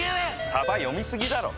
さば読みすぎだろ！